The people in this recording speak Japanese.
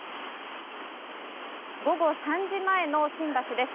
午後３時前の新橋です。